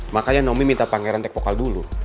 makanya naomi minta pangeran tag vokal dulu